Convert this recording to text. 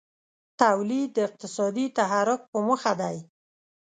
تولید د اقتصادي تحرک په موخه دی.